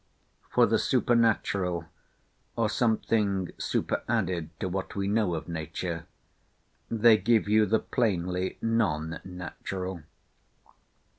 For the super natural, or something super added to what we know of nature, they give you the plainly non natural.